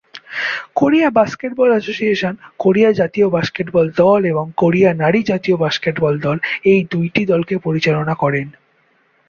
Korea basketball association Korea জাতীয় basketball দল এবং কোরিয়া নারী জাতীয় বাস্কেটবল দল এই দুইটি দলকে পরিচালনা করেন।